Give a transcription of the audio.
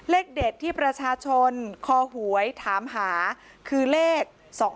เลขเด็ดที่ประชาชนคอหวยถามหาคือเลข๒๕๖